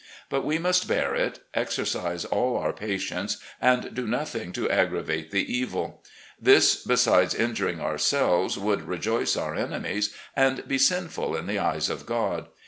But we must bear it, exercise all our patience, and do nothing to aggravate the evil. This, besides injuring ourselves, would rejoice our enemies and be sinful in the eyes of God.